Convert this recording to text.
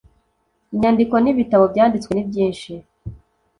inyandiko n’ibitabo byanditswe ni byinshi